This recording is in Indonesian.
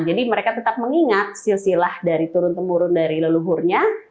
jadi mereka tetap mengingat silsilah dari turun temurun dari leluhurnya